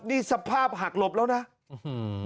นี่สภาพหักหลบแล้วนะอื้อหือ